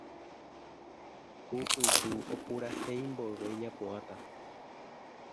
Kupyju opurahéi mboyve ñapu'ãta